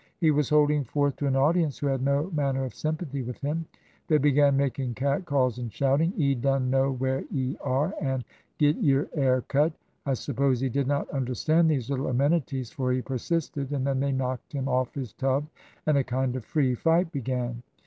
He was holding forth to an audience who had no manner of sympathy with him. They began making cat calls and shouting, ' 'E dun know where 'e are*, and ' Git yer 'air cut' I suppose he did not understand these little amenities, for he persisted, and then they knocked him off his tub, and a kind of free fight began."